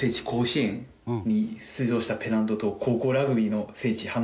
甲子園に出場したペナントと高校ラグビーの聖地